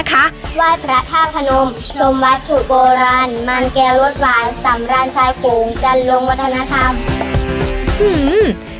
วาดพระธาตุพนมชมวัดฉุดโบราณมารแก่ลวดหวานสำราญชายภูมิทัลลงวัฒนธรรม